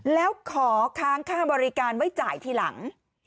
แล้วขอค้างค่าบริการไว้จ่ายทีหลัง